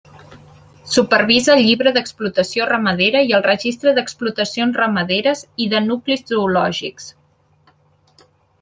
Supervisa el Llibre d'Explotació Ramadera i el Registre d'Explotacions Ramaderes i de Nuclis Zoològics.